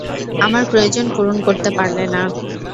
আমার প্রয়োজন পূরণ করতে পারলে না।